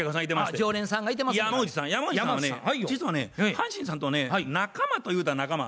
阪神さんとね仲間というたら仲間。